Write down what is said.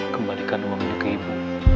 kembalikan uang itu ke ibu